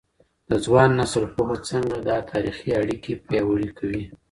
د ځوان نسل پوهه څنګه دا تاریخي اړیکې پیاوړې کوي؟